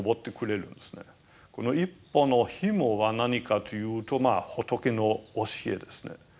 この一本のひもは何かというと仏の教えですね。